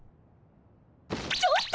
ちょっと！